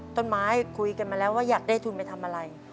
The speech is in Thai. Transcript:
คุยกันมาแล้วว่าอยากได้ทุนไปทำอะไร